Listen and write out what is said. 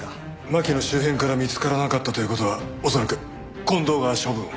巻の周辺から見つからなかったという事は恐らく近藤が処分を。